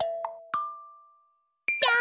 ぴょん！